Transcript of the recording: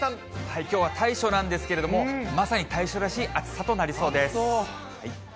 きょうは大暑なんですけれども、まさに大暑らしい暑さとなりそうです。